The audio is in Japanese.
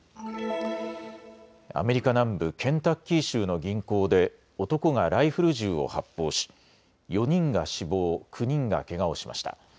アメリカ南部ケンタッキー州の銀行で男がライフル銃を発砲し４人が死亡、９人がけがをしました。